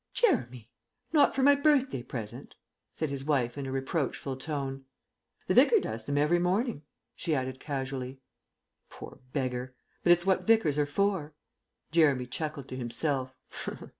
"Jeremy! Not for my birthday present?" said his wife in a reproachful voice. "The Vicar does them every morning," she added casually. "Poor beggar! But it's what Vicars are for." Jeremy chuckled to himself.